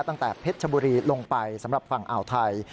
ตั้งแต่เพชรชบุรีลงไปสำหรับฝั่งอ่าวไทย